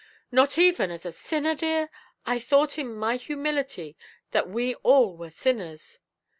"Not even as a sinner, dear? I thought in my humility that we all were sinners."